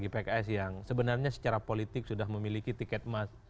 pks yang sebenarnya secara politik sudah memiliki tiket emas